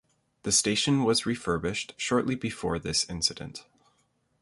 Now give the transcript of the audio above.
The station was refurbished shortly before this incident.